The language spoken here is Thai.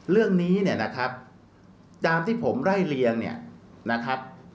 เรื่องนี้เนี่ยนะครับตามที่ผมไล่เลียงเนี่ยนะครับ